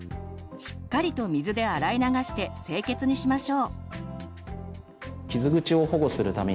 しっかりと水で洗い流して清潔にしましょう。